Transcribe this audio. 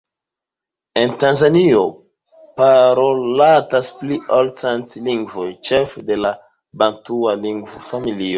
En Tanzanio parolatas pli ol cent lingvoj, ĉefe de la bantua lingvofamilio.